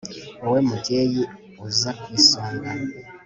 wowe mubyeyi uza ku isonga